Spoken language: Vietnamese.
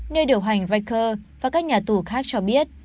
nơi điều hành reker và các nhà tù khác cho biết